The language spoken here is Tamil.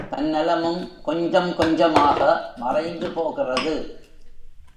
தன்னலமும் கொஞ்சம் கொஞ்சமாக மறைந்து போகிறது.